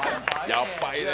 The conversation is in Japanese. やっぱいね。